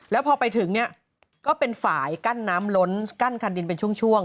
แล้วพอไปถึงเนี่ยก็เป็นฝ่ายกั้นน้ำล้นกั้นคันดินเป็นช่วง